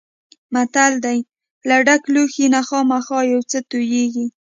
متل دی: له ډک لوښي نه خامخا یو څه تویېږي.